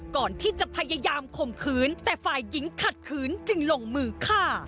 พยายามข่มขืนแต่ฝ่ายหญิงขัดขืนจึงลงมือฆ่า